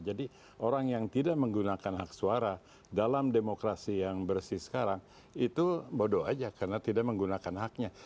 jadi orang yang tidak menggunakan hak suara dalam demokrasi yang bersih sekarang itu bodoh aja karena tidak menggunakan haknya